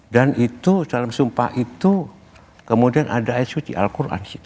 dan itu dalam sumpah itu kemudian ada ayat suci al qur an di situ